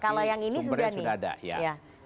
kalau yang ini sudah nih